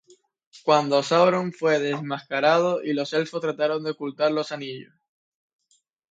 Cuando Sauron fue desenmascarado y los Elfos trataron de ocultar los anillos.